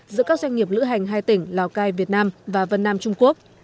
giữa các doanh nghiệp lữ hành hai tỉnh lào cai việt nam và vân nam trung quốc